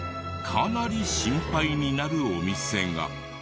かなり心配になるお店が。